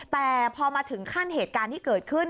แต่พอมาถึงขั้นเหตุการณ์ที่เกิดขึ้น